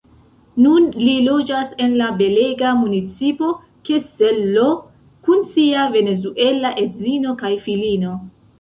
Nun li loĝas en la belga municipo Kessel-Lo kun sia venezuela edzino kaj filino.